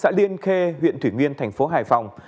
xã liên khê huyện thủy nguyên thành phố hải phòng